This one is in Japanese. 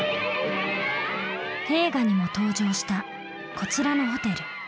映画にも登場したこちらのホテル。